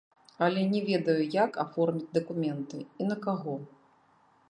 Але не ведаю, як аформіць дакументы і на каго.